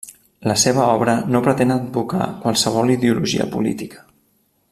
La seva obra no pretén advocar qualsevol ideologia política.